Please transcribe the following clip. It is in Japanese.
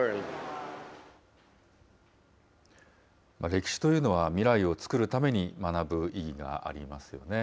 歴史というのは未来を作るために学ぶ意義がありますよね。